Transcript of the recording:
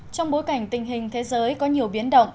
trong bối cảnh tình hình thế giới có nhiều biến động